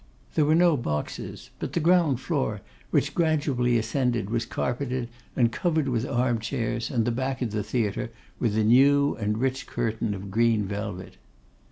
There were no boxes, but the ground floor, which gradually ascended, was carpeted and covered with arm chairs, and the back of the theatre with a new and rich curtain of green velvet.